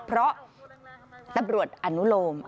เพราะตำรวจอนุโลม